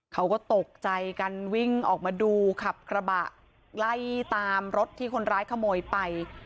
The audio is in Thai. เขาก็ตกใจกันวิ่งออกมาดูขับกระบะไล่ตามรถที่คนร้ายขโมยไป